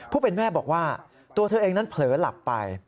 ผู้เป็นแม่บอกว่าตัวเธอเองนั้นเผลอหลับไป